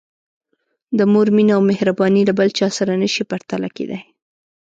د مور مینه او مهرباني له بل چا سره نه شي پرتله کېدای.